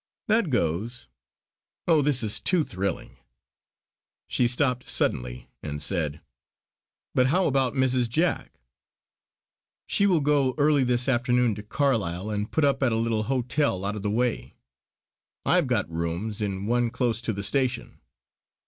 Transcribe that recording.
"That goes! Oh this is too thrilling;" she stopped suddenly and said: "But how about Mrs. Jack?" "She will go early this afternoon to Carlisle and put up at a little hotel out of the way. I have got rooms in one close to the station.